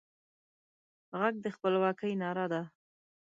غږ د خپلواکۍ ناره ده